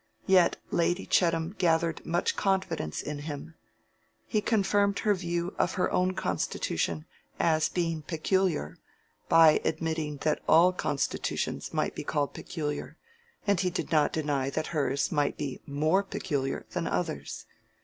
Yet Lady Chettam gathered much confidence in him. He confirmed her view of her own constitution as being peculiar, by admitting that all constitutions might be called peculiar, and he did not deny that hers might be more peculiar than others.